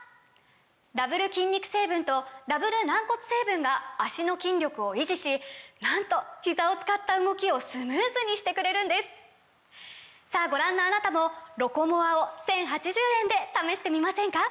ダブル筋肉成分とダブル軟骨成分が脚の筋力を維持しなんとひざを使った動きをスムーズにしてくれるんですさぁご覧のあなたも「ロコモア」を１，０８０円で試してみませんか！